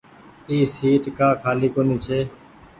اي سيٽ ڪآ کآلي ڪونيٚ ڇي۔